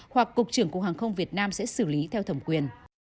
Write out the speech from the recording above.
hoặc cục trưởng cục hàng không việt nam sẽ xử lý theo thẩm quyền